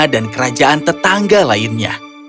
dan kerajaan tetangga lainnya